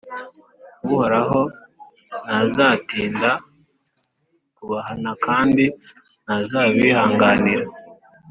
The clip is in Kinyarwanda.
Uhoraho ntazatinda kubahana kandi ntazabihanganira